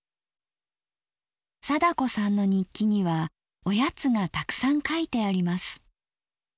貞子さんの日記にはおやつがたくさん書いてあります。